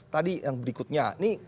tadi yang berikutnya